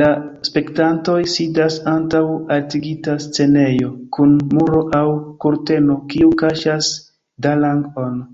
La spektantoj sidas antaŭ altigita scenejo kun muro aŭ kurteno, kiu kaŝas dalang-on.